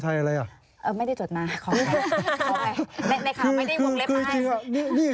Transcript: ที่ไปเนี่ย